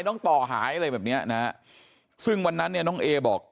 ต่อหายอะไรแบบเนี้ยนะฮะซึ่งวันนั้นเนี่ยน้องเอบอก